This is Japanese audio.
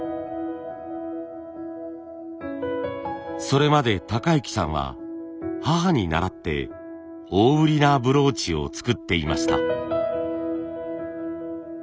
それまで崇之さんは母にならって大ぶりなブローチを作っていました。